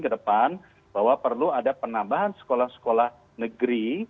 kedepan bahwa perlu ada penambahan sekolah sekolah negeri